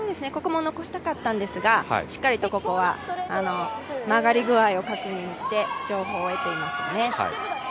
ここも残したかったんですが、しっかりとここは曲がり具合を確認して情報を得ていますよね。